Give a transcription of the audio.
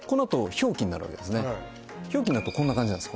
氷期になるとこんな感じなんです